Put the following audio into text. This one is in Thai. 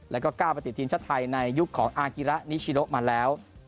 แล้วก็ก้าวไปติดทีมชาติไทยในยุคของอากิระนิชิโนมาแล้ว